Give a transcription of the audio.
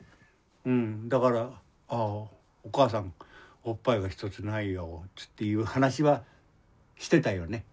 だからお母さんおっぱいが１つないよっていう話はしてたよね。